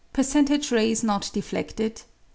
Percentage of rays not defledted .